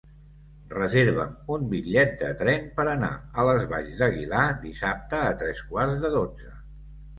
Reserva'm un bitllet de tren per anar a les Valls d'Aguilar dissabte a tres quarts de dotze.